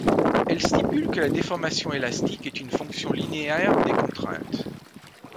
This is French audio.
Elle stipule que la déformation élastique est une fonction linéaire des contraintes.